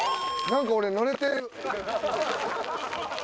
何か俺乗れてる。